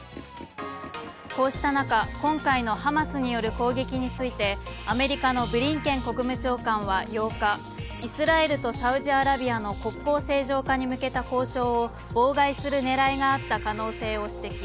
こうした中、今回のハマスによる攻撃についてアメリカのブリンケン国務長官は８日イスラエルとサウジアラビアの国交正常化に向けた交渉を妨害する狙いがあった可能性を指摘。